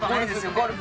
ゴルフ。